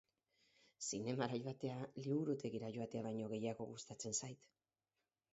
Zinemara joatea liburutegira joatea baino gehiago gustatzen zait.